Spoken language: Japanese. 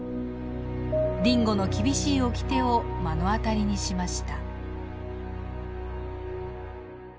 ディンゴの厳しいおきてを目の当たりにしました。